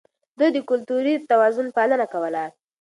ده د کلتوري توازن پالنه کوله.